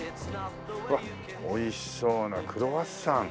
わっ美味しそうなクロワッサン。